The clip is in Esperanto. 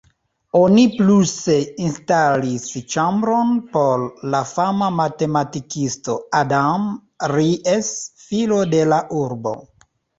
Oni pluse instalis ĉambron por la fama matematikisto Adam Ries, filo de la urbo.